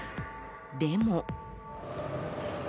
でも。